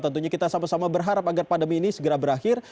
tentunya kita sama sama berharap agar pandemi ini segera berakhir